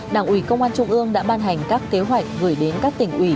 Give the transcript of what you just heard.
đảng ủy công an trung ương đã ban hành các kế hoạch gửi đến các tỉnh ủy